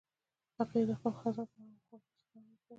هغې د خوښ خزان په اړه خوږه موسکا هم وکړه.